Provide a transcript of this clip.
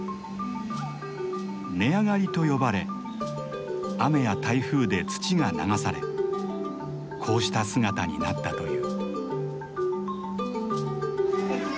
根上がりと呼ばれ雨や台風で土が流されこうした姿になったという。